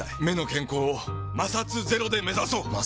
目の健康を摩擦ゼロで目指そう！